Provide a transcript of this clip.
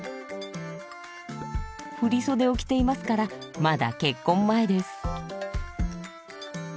振り袖を着ていますからまだ結婚前です。